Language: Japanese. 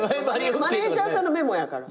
マネジャーさんのメモやから。